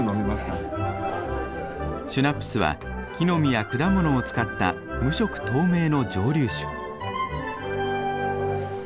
シュナップスは木の実や果物を使った無色透明の蒸留酒。